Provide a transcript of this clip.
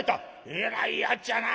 えらいやっちゃな」。